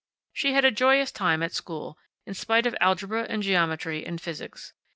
She had had a joyous time at school, in spite of algebra and geometry and physics.